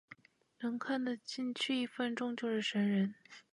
能看的进去一分钟就是神人